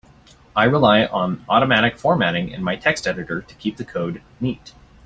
I rely on automatic formatting in my text editor to keep the code neat.